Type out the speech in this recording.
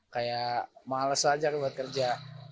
kayak males aja buat kerja